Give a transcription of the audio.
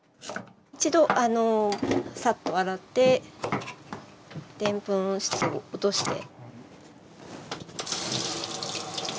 一度サッと洗ってでんぷん質を落として。